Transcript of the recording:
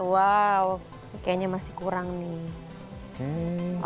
kayaknya masih kurang nih